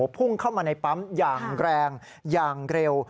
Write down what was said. พุ่งเข้ามาในปั๊มอย่างแรงอย่างเร็ว